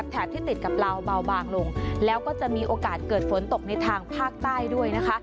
ที่ติดกับลาวเบาบางลงแล้วก็จะมีโอกาสเกิดฝนตกในทางภาคใต้ด้วยนะคะ